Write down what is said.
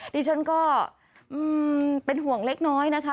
ดิฉันก็เป็นห่วงเล็กน้อยนะคะ